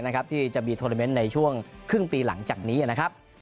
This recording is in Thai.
ที่จะมีโทรเมนต์ในช่วงครึ่งปีหลังจากนี้นะครับ